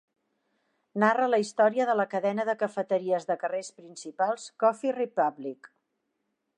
Narra la història de la cadena de cafeteries de carrers principals Coffee Republic.